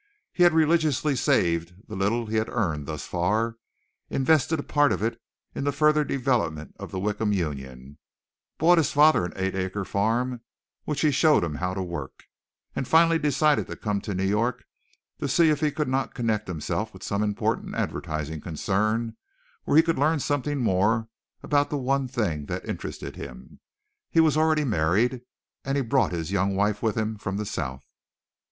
He had religiously saved the little he had earned thus far, invested a part of it in the further development of the Wickham Union, bought his father an eight acre farm, which he showed him how to work, and finally decided to come to New York to see if he could not connect himself with some important advertising concern where he could learn something more about the one thing that interested him. He was already married, and he brought his young wife with him from the South.